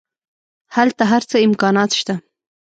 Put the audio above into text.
هلته هر څه امکانات شته.